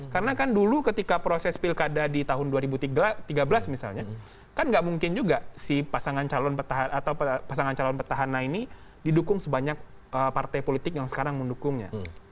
karena dulu ketika proses pilkada di tahun dua ribu tiga belas misalnya kan gak mungkin juga si pasangan calon petahana ini didukung sebanyak partai politik yang sekarang mendukungnya